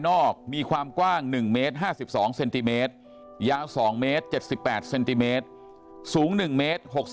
มีความกว้าง๑เมตร๕๒เซนติเมตรยาว๒เมตร๗๘เซนติเมตรสูง๑เมตร